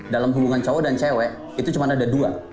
dalam hubungan cowok dan cewek itu cuma ada dua